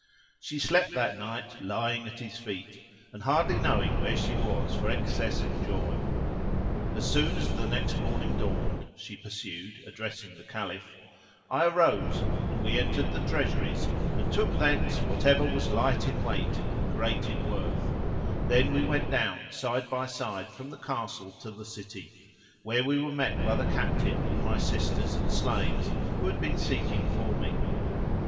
She slept that night lying at his feet and hardly knowing where she was for excess of joy. As soon as the next morning dawned (she pursued, addressing the Caliph), I arose and we entered the treasuries and took thence whatever was light in weight and great in worth; then we went down side by side from the castle to the city, where we were met by the Captain and my sisters and slaves who had been seeking for me.